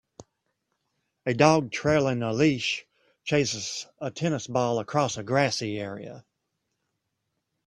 A dog, trailing a leash, chases a tennis ball across a grassy area.